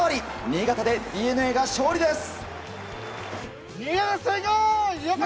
新潟でＤｅＮＡが勝利です。